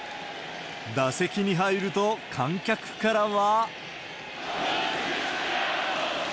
打席に入ると、観客からは。